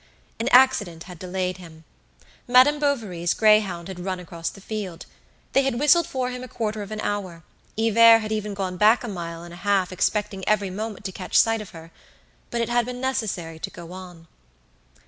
An accident had delayed him. Madame Bovary's greyhound had run across the field. They had whistled for him a quarter of an hour; Hivert had even gone back a mile and a half expecting every moment to catch sight of her; but it had been necessary to go on.